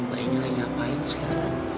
bayi nilai ngapain sekarang